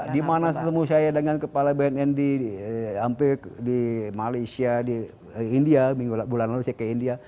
dimana ketemu saya dengan kepala bnnd hampir di malaysia di india bulan lalu saya ke india